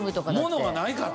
物がないから。